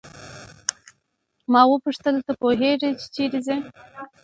ما وپوښتل ته پوهیږې چې چیرې ځې.